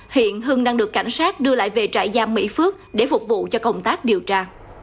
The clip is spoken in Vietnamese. hiện hưng đang được cảnh sát đưa lại về trại giam mỹ phước để phục vụ cho công tác điều tra